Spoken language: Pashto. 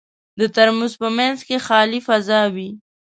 د ترموز په منځ کې خالي فضا وي.